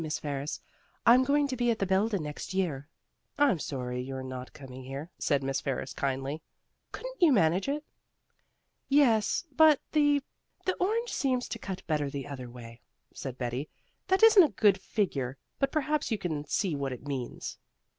Miss Ferris, I'm going to be at the Belden next year." "I'm sorry you're not coming here," said Miss Ferris kindly. "Couldn't you manage it?" "Yes, but the the orange seems to cut better the other way," said Betty. "That isn't a good figure, but perhaps you can see what it means."